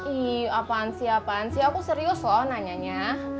iya apaan sih apaan sih aku serius loh nanyanya